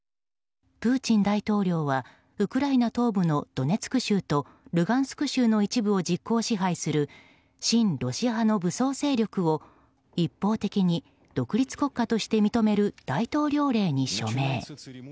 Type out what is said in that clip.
プーチン大統領はウクライナ東部のドネツク州とルガンスク州の一部を実行支配する親ロシア派の武装勢力を一方的に独立国家として認める大統領令に署名。